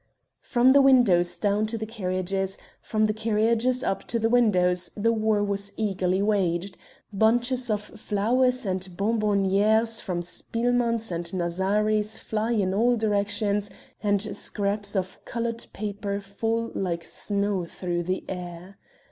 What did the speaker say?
From the windows down to the carriages, from the carriages up to the windows the war was eagerly waged; bunches of flowers, and bonbonnières from Spillman's and Nazzari's fly in all directions and scraps of colored paper fall like snow through the air.